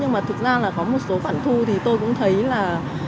nhưng mà thực ra là có một số khoản thu thì tôi cũng thấy là